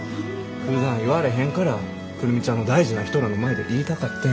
ふだん言われへんから久留美ちゃんの大事な人らの前で言いたかってん。